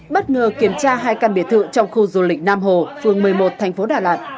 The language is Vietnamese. bất ngờ kiểm tra hai căn biệt thự trong khu du lịch nam hồ phường một mươi một thành phố đà lạt